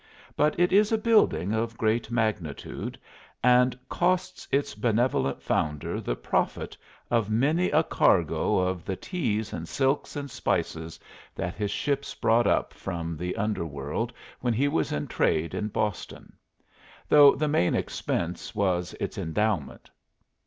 But it is a building of great magnitude, and cost its benevolent founder the profit of many a cargo of the teas and silks and spices that his ships brought up from the under world when he was in trade in Boston; though the main expense was its endowment.